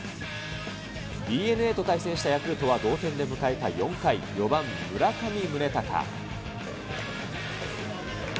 ＤｅＮＡと対戦したヤクルトは同点で迎えた４回、４番村上宗隆。